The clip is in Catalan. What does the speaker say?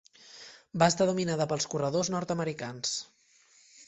Va estar dominada pels corredors nord-americans.